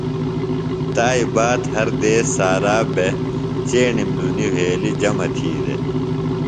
تایئ باد سےۡ ہر دیس سارا بےۡ بہ چیݨیم لُنی وھیلیۡ جمع تھی دےۡ۔